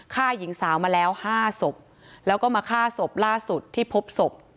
ฆ่าหญิงสาวมาแล้วห้าศพแล้วก็มาฆ่าศพล่าสุดที่พบศพ